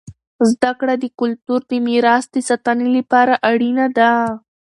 زده کړه د کلتور د میراث د ساتنې لپاره اړینه دی.